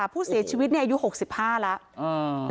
หู้เสียชีวิตเนี่ยอายุหกสิบห้าแล้ว